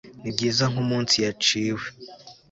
Nibyiza nkumunsi yaciwe